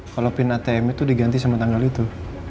kalau pin atm itu diganti sama tanggal itu